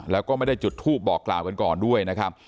แล้วก็ไม่ได้จุดทูปบอกกล่าวกันก่อนด้วยนะครับ